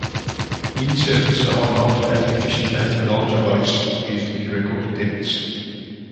Windsurfers are not as efficient as the larger boats used in record attempts.